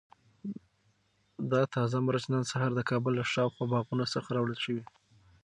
دا تازه مرچ نن سهار د کابل له شاوخوا باغونو څخه راوړل شوي.